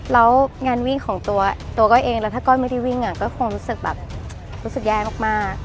แล้วงานวิ่งของตัวก้อยเองแล้วถ้าก้อยไม่ได้วิ่งก็คงรู้สึกแบบรู้สึกแย่มาก